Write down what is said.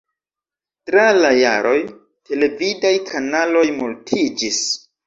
Tra la jaroj, televidaj kanaloj multiĝis.